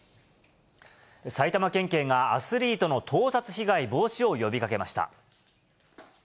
埼玉県警がアスリートの盗撮被害防止を呼びかけました。